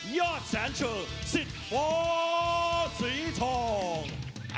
ยอดสรรค์ชูสิทธิ์ฝาสิทธิ์ฝาสิทธิ์ฝา